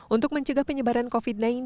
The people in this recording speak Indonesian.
untuk mencegah penyebaran covid sembilan belas